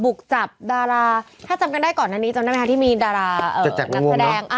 บุกจับดาราถ้าจำกันได้ก่อนอันนี้จำได้ไหมคะที่มีดารานักแสดง